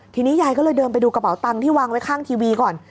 ทีนี้ยายก็เลยเดินไปดูกระเป๋าตังค์ที่วางไว้ข้างทีวีก่อน